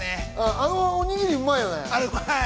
あのおにぎりうまいね。